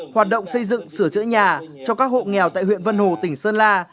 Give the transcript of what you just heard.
hoạt động xây dựng sửa chữa nhà cho các hộ nghèo tại huyện vân hồ tỉnh sơn la